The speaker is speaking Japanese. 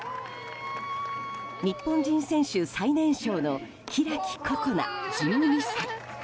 日本人選手最年少の開心那、１２歳。